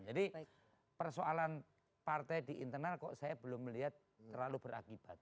jadi persoalan partai di internal kok saya belum melihat terlalu berakibat